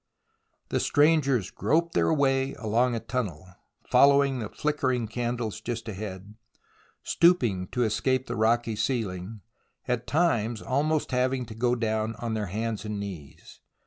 The strangers groped their way along a tunnel, following the flickering candles just ahead, stooping to escape the rocky ceiling, at times almost having to go down on their hands and knees.